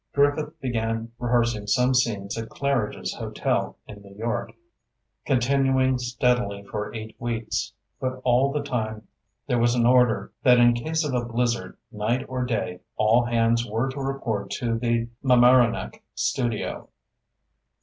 Griffith began rehearsing some scenes at Claridge's Hotel, in New York, continuing steadily for eight weeks; but all the time there was an order that in case of a blizzard, night or day, all hands were to report at the Mamaroneck studio.